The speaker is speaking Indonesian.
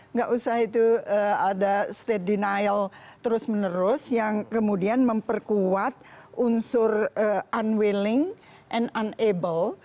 nggak usah itu ada state denial terus menerus yang kemudian memperkuat unsur unwilling and unnable